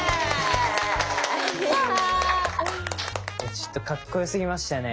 ちょっとカッコよすぎましたね。